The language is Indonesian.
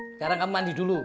sekarang kamu mandi dulu